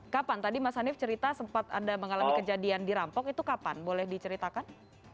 kapan tadi mas hanif cerita sempat ada mengalami kejadian di rampok itu kapan boleh diceritakan